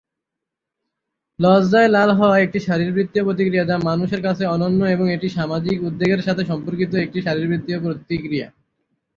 লজ্জায় লাল হওয়া একটি শারীরবৃত্তীয় প্রতিক্রিয়া যা মানুষের কাছে অনন্য এবং এটি সামাজিক উদ্বেগের সাথে সম্পর্কিত একটি শারীরবৃত্তীয় প্রতিক্রিয়া।